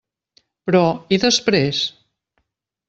Però, i després?